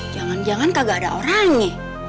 jangan jangan kagak ada orangnya